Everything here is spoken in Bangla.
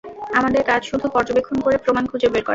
আমাদের কাজ শুধু পর্যবেক্ষণ করে প্রমাণ খুঁজে বের করা।